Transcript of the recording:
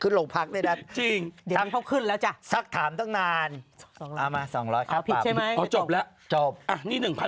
คือหลวงพักได้นะสักถามตั้งนานเอามา๒๐๐บาทข้าวปรับจบแล้วอ๋อผิดใช่ไหม